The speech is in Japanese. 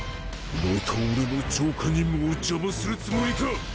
また俺の浄化任務を邪魔するつもりか！